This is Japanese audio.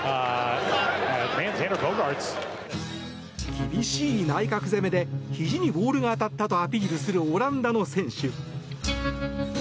厳しい内角攻めでひじにボールが当たったとアピールするオランダの選手。